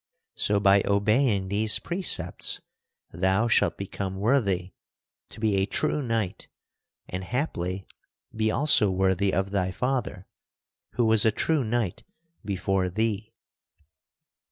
So, by obeying these precepts, thou shalt become worthy to be a true knight and, haply, be also worthy of thy father, who was a true knight before thee."